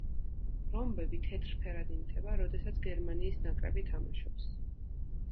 რომბები თეთრ ფერად ინთება, როდესაც გერმანიის ნაკრები თამაშობს.